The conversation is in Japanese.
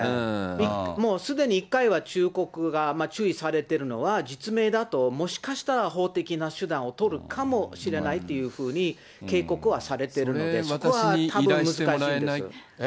もうすでに１回は忠告が、注意されてるのは、実名だともしかしたら法的な手段を取るかもしれないというふうにそれ、私に依頼してもらえない？